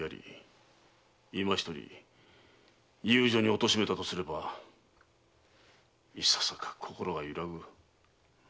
今一人を遊女に貶めたとすればいささか心が揺らぐ。